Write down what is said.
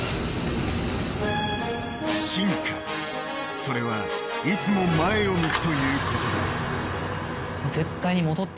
進化、それはいつも前を向くということだ。